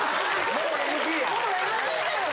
・もうＮＧだよ！